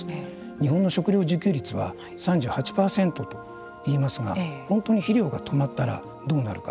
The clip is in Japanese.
日本の食料自給率は３８％といいますが本当に肥料が止まったらどうなるのか。